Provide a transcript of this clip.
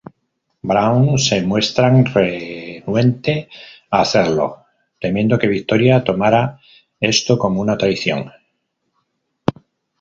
Brown se muestran renuente a hacerlo, temiendo que Victoria tomará esto como una traición.